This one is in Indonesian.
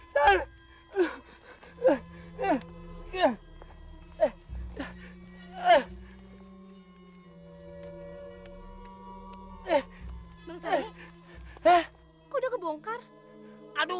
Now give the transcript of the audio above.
dari tadi kau dikincar sama itu anto